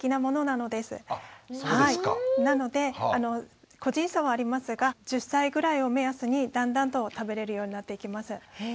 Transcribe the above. なので個人差はありますが１０歳ぐらいを目安にだんだんと食べれるようになっていきます。